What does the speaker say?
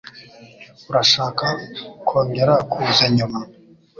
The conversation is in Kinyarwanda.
Urashaka kongera kuza nyuma?